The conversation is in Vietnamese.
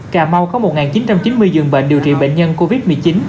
cà mau có một chín trăm chín mươi giường bệnh điều trị bệnh nhân covid một mươi chín